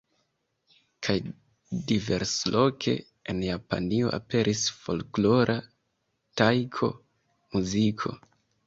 Kaj diversloke en Japanio aperis folklora Taiko-muziko.